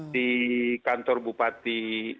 di kantor bupati